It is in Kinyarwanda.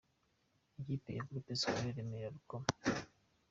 Ikipe ya Groupe Scolaire Remera Rukoma.